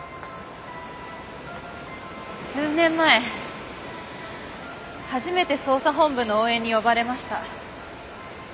数年前初めて捜査本部の応援に呼ばれました。